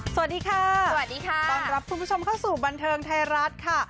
สวัสดีค่ะสวัสดีค่ะต้อนรับคุณผู้ชมเข้าสู่บันเทิงไทยรัฐค่ะ